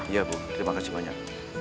iya bu terima kasih banyak